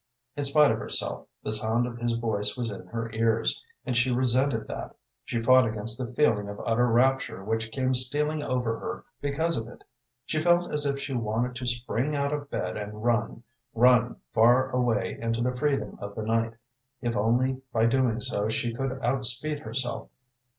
In spite of herself the sound of his voice was in her ears, and she resented that; she fought against the feeling of utter rapture which came stealing over her because of it. She felt as if she wanted to spring out of bed and run, run far away into the freedom of the night, if only by so doing she could outspeed herself.